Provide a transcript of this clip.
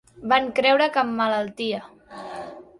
Van creure que emmalaltia.